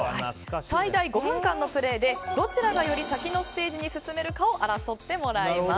最大５分間のプレーでどちらがより先のステージに進めるかを争ってもらいます。